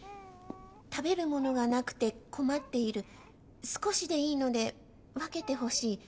食べるものがなくて困っている少しでいいので分けてほしい。